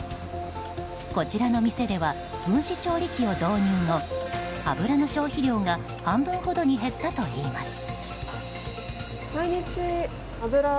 こちらの店では分子調理器を導入後油の消費量が半分ほどに減ったといいます。